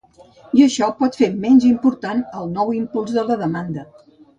I això pot fer menys important el nou impuls a la demanda.